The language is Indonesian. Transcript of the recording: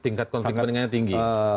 tingkat konflik peningannya tinggi